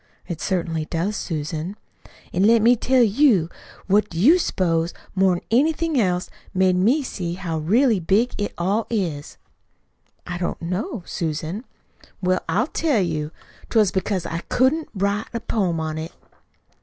"It certainly does, Susan." "An' let me tell you. What do you s'pose, more 'n anything else, made me see how really big it all is?" "I don't know, Susan," "Well, I'll tell you. 'Twas because I couldn't write a poem on it."